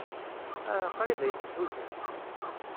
Ah, qrib ay tt-tḥuzam.